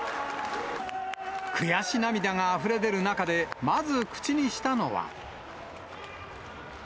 悔し涙があふれ出る中で、まず口にしたのは。